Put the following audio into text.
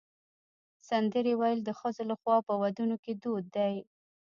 سندرې ویل د ښځو لخوا په ودونو کې دود دی.